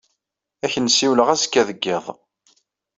Ad ak-n-siwleɣ azekka deg yiḍ.